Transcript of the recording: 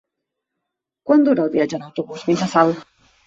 Quant dura el viatge en autobús fins a Salt?